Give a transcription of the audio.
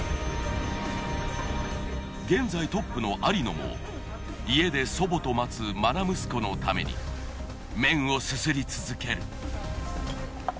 現在トップのありのも家で祖母と待つ愛息子のために麺をすすり続ける。